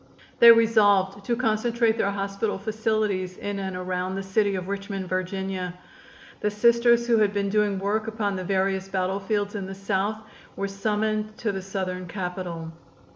They resolved to concentrate their hospital facilities in and around the city of Richmond, Va. The Sisters who had been doing work upon the various battlefields in the South were summoned to the Southern Capital.